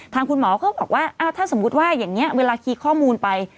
คุณหมอก็บอกว่าถ้าสมมุติว่าอย่างนี้เวลาคีย์ข้อมูลไป